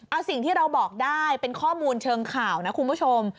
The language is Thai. เอาสิ่งที่เราบอกได้เป็นข้อมูลเชิงข่าวนะคุณผู้ชม